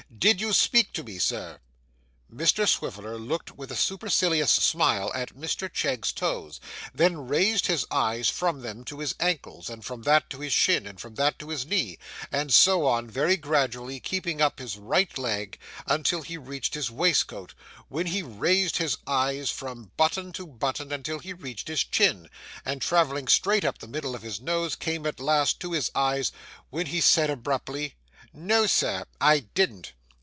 Did you speak to me, sir'? Mr Swiviller looked with a supercilious smile at Mr Chegg's toes, then raised his eyes from them to his ankles, from that to his shin, from that to his knee, and so on very gradually, keeping up his right leg, until he reached his waistcoat, when he raised his eyes from button to button until he reached his chin, and travelling straight up the middle of his nose came at last to his eyes, when he said abruptly, 'No, sir, I didn't.